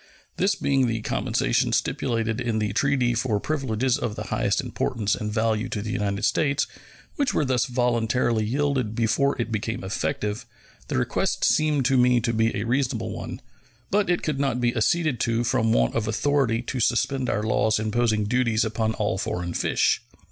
This being the compensation stipulated in the treaty for privileges of the highest importance and value to the United States, which were thus voluntarily yielded before it became effective, the request seemed to me to be a reasonable one; but it could not be acceded to from want of authority to suspend our laws imposing duties upon all foreign fish.